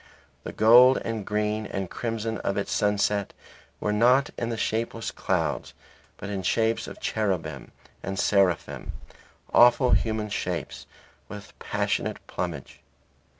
The gold and green and crimson of its sunset were not in the shapeless clouds but in shapes of cherubim and seraphim, awful human shapes with a passionate plumage.